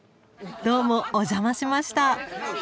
どうもお邪魔しました。